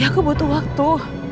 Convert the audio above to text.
ya aku butuh waktu